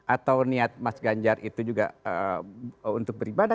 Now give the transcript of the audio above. atau niat mas ganjar itu juga untuk beribadah